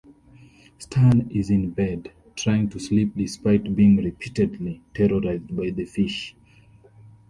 Stan is in bed, trying to sleep despite being repeatedly terrorized by the fish.